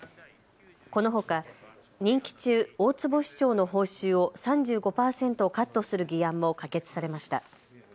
このほか任期中、大坪市長の報酬を３５％カットする議案も可決されました。